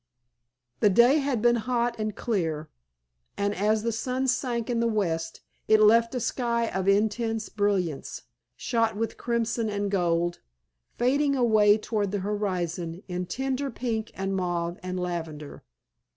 The day had been hot and clear, and as the sun sank in the west it left a sky of intense brilliancy, shot with crimson and gold, fading away toward the horizon in tender pink and mauve and lavender.